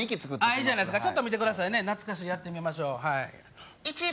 いいじゃないですかちょっと見てくださいね懐かしいやってみましょうはい１番